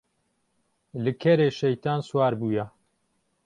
Li kerê şeytên siwar bûye.